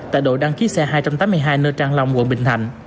tại đội đăng ký xe hai trăm tám mươi hai nơ trang long quận bình thạnh